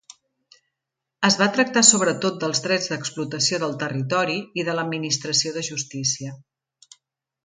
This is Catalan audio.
Es va tractar sobretot dels drets d'explotació del territori i de l'administració de justícia.